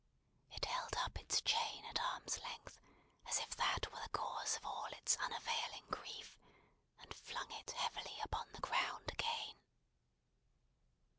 It held up its chain at arm's length, as if that were the cause of all its unavailing grief, and flung it heavily upon the ground again.